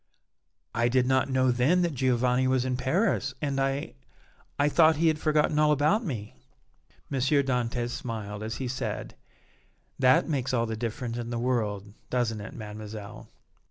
"I did not know then that Giovanni was in Paris, and I I thought he had forgotten all about me." M. Dantès smiled as he said: "That makes all the difference in the world, doesn't it, Mademoiselle?"